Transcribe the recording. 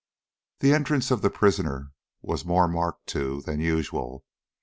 The entrance of the prisoner was more marked, too, than usual.